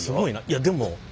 いやでも。